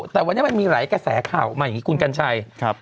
แต่วันนี้มันมีหลายกระแสข่าวออกมาอย่างนี้คุณกัญชัย